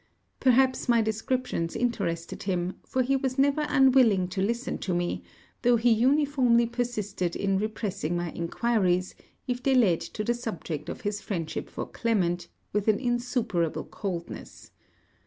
Perhaps my descriptions interested him, for he was never unwilling to listen to me, though he uniformly persisted in repressing my enquiries, if they led to the subject of his friendship for Clement, with an insuperable coldness.